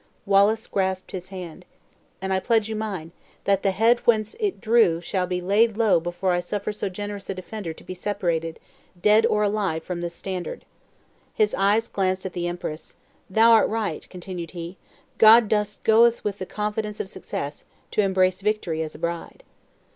Wallace grasped his hand. "And I pledge you mine, that the head whence it drew shall be laid low before I suffer so generous a defender to be separated, dead or alive, from this standard." His eyes glanced at the empress; "Thou art right," continued he; "God doth goest with the confidence of success, to embrace victory as a bride!"